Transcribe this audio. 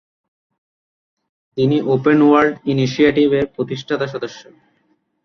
তিনি open world initiative এর প্রতিষ্ঠাতা সদস্য।